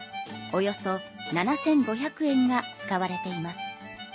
およそ７５００円が使われています。